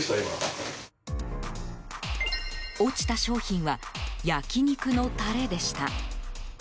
落ちた商品は焼き肉のタレでした。